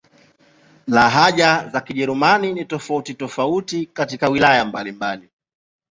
Lahaja za Kijerumani ni tofauti-tofauti katika wilaya mbalimbali.